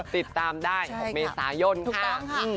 ติดตามได้๖เมษายนค่ะ